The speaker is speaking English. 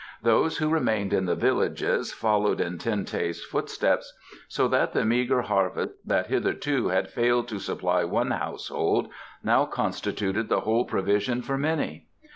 Those who remained in the villages followed in Ten teh's footsteps, so that the meagre harvest that hitherto had failed to supply one household now constituted the whole provision for many.